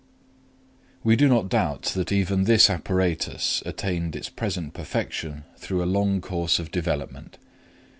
We do not doubt that even this apparatus attained its present perfection through a long course of development.